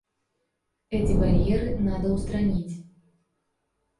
Эти барьеры надо устранить.